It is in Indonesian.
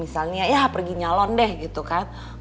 misalnya ya pergi nyalon deh gitu kan